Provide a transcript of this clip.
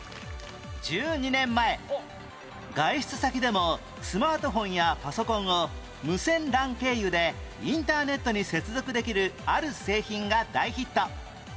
１２年前外出先でもスマートフォンやパソコンを無線 ＬＡＮ 経由でインターネットに接続できるある製品が大ヒット